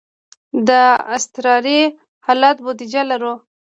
د اضطراري حالت بودیجه لرو؟